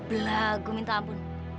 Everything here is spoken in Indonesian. belah gue minta ampun